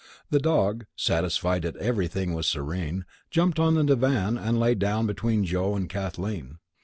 The dog, satisfied that everything was serene, jumped on the divan and lay down between Joe and Kathleen.